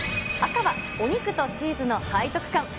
赤はお肉とチーズの背徳感。